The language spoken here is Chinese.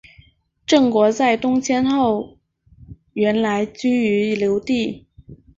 郑国在东迁后原来居于留地。